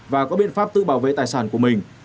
và có biện pháp tự bảo vệ tài sản của mình